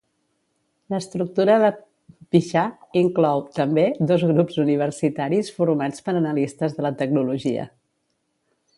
L'estructura de Pixar inclou, també, dos grups universitaris formats per analistes de la tecnologia.